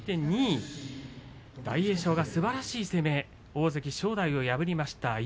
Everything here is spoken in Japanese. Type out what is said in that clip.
２位は大栄翔がすばらしい攻めで大関正代を破りました。